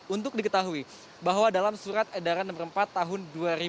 untuk diketahui bahwa dalam surat edaran nomor empat tahun dua ribu dua puluh